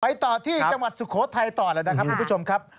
ต่อที่จังหวัดสุโขทัยต่อเลยนะครับคุณผู้ชมครับ